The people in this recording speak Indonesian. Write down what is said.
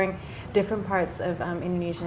mencari penelitian indonesia